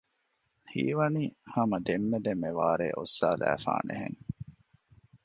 ހީވަނީ ހަމަ ދެންމެ ދެންމެ ވާރޭ އޮއްސާލައިފާނެ ހެން